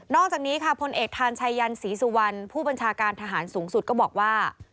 อกจากนี้ค่ะพลเอกทานชายันศรีสุวรรณผู้บัญชาการทหารสูงสุดก็บอกว่า